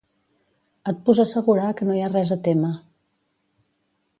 Et pus assegurar que no hi ha res a témer.